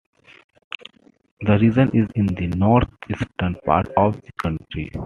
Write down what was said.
The region is in the north-eastern part of the country.